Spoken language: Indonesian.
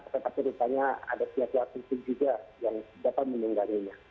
sepertinya rupanya ada siapa siapa yang dapat meninggalinya